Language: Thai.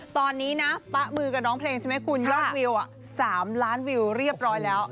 ตอนนี้นะป๊ะมือกับน้องเพลงใช่ไหมคุณยอดวิว๓ล้านวิวเรียบร้อยแล้ว